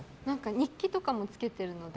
日記とかもつけているので。